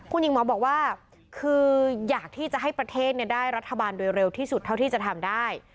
คุณหญิงหมอบอกว่าคืออยากที่จะให้ประเทศได้รัฐบาลโดยเร็วที่สุดเท่าที่จะทำได้